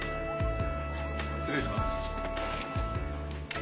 失礼します。